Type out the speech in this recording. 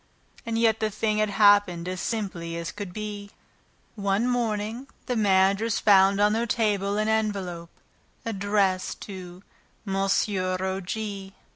And yet the thing had happened as simply as could be. One morning, the managers found on their table an envelope addressed to "Monsieur O. G.